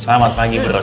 selamat pagi broza